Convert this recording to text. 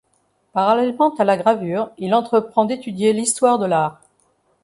Parallèlement à la gravure, il entreprend d’étudier l’histoire de l’art.